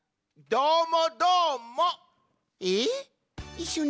どーも！